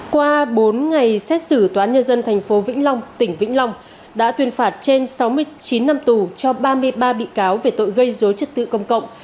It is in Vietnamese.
qua bốn ngày xét xử tòa án nhân dân tp vĩnh long tỉnh vĩnh long đã tuyên phạt trên sáu mươi chín năm tù cho ba mươi ba bị cáo về tội gây dối trật tự công cộng